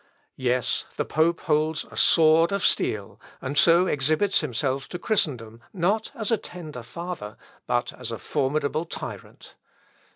Yes, the pope holds a sword of steel, and so exhibits himself to Christendom, not as a tender father, but as a formidable tyrant.